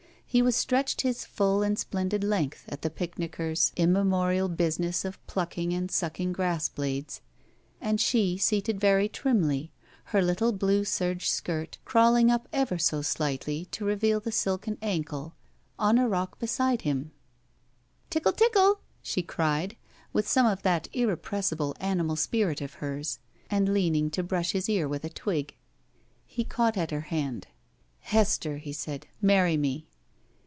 He was stretched his full and splendid length at the picknickers' immemorial business of plucking and sucking grass blades, and she seated very trimly, her little blue serge skirt crawling up ever so slightly to reveal the silken ankle, on a rock beside him. "Tickle tickle!*' she cried, with some of that irrepressible animal spirit of hers, and leaning to brush his ear with a twig. He caught at her hand. "Hester," he said, "marry me."